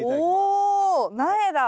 お苗だ！